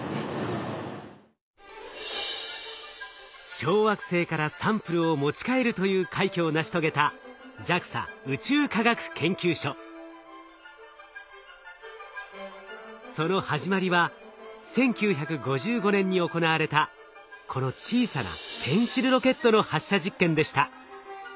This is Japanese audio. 小惑星からサンプルを持ち帰るという快挙を成し遂げたその始まりは１９５５年に行われたこの小さなペンシルロケットの発射実験でした。